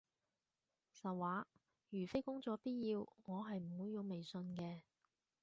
實話，如非工作必要，我係唔會用微信嘅